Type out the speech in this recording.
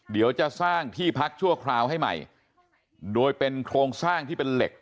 เดี๋ยวจะสร้างที่พักชั่วคราวให้ใหม่โดยเป็นโครงสร้างที่เป็นเหล็ก